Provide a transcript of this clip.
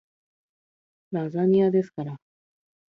ラザニアですから